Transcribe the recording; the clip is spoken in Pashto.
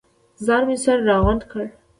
ځان مې سره راغونډ کړ.